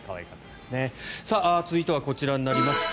続いてはこちらになります。